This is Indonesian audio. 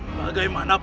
saya tetap berharap